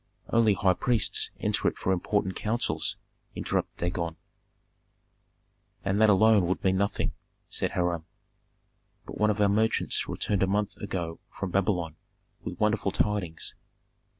"Only high priests enter it for important counsels," interrupted Dagon. "And that alone would mean nothing," said Hiram. "But one of our merchants returned a month ago from Babylon, with wonderful tidings.